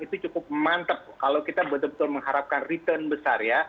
itu cukup mantep kalau kita betul betul mengharapkan return besar ya